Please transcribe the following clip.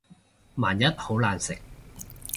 萬一好難食